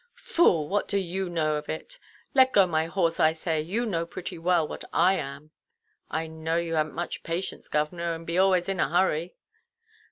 "Fool, what do you know of it? Let go my horse, I say. You know pretty well what I am." "I know you haʼnʼt much patience, govʼnor, and be arlways in a hurry."